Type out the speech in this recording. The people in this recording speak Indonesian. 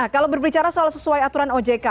kalau berbicara soal sesuai aturan ojk